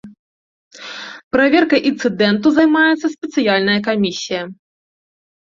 Праверкай інцыдэнту займаецца спецыяльная камісія.